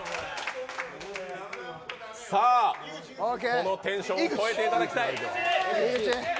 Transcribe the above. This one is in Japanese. このテンションを超えていただきたい。